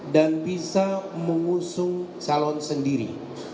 dan bisa mengusung calon sendiri